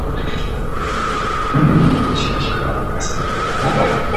钝苞一枝黄花是菊科一枝黄花属的植物。